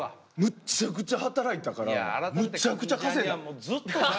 むっちゃくちゃ働いたからむっちゃくちゃ稼いだ。